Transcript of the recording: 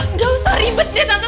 nggak usah ribet ya tante